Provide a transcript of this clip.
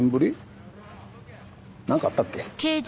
何かあったっけ？